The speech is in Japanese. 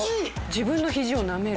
自分の肘をなめる。